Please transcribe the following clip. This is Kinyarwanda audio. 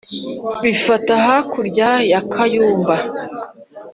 bifata hakurya ya kayumbu